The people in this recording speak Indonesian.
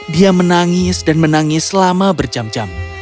dia menangis dan menangis selama berjam jam